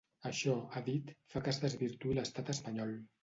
Això, ha dit, fa que es desvirtuï l’estat espanyol.